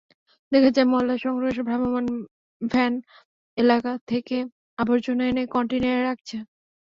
দেখা যায়, ময়লা সংগ্রহের ভ্রাম্যমাণ ভ্যান এলাকা থেকে আবর্জনা এনে কনটেইনারে রাখছে।